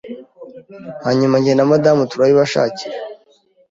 hanyuma njye na madamu turabibashakira